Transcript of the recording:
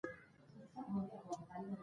د ولس ملاتړ د دوام غوښتنه کوي